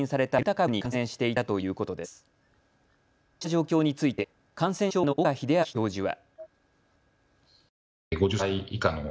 こうした状況について感染症科の岡秀昭教授は。